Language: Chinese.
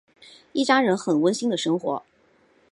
一家人很温馨的生活。